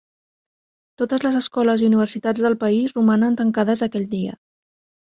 Totes les escoles i universitats del país romanen tancades aquell dia.